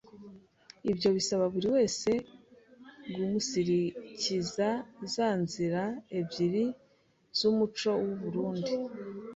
Ibyo bisaba buri wese guumunsirikira za nzira ebyiri z’umuco w’u Burunndi